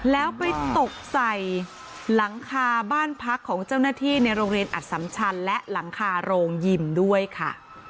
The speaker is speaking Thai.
แล้วไปตกใส่หลังคาบ้านพักของเจ้าหน้าที่ในโรงเรียนอัดสัมชันและหลังคาโรงยิมด้วยค่ะ